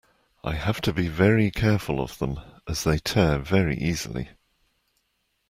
I have to be careful of them, as they tear very easily.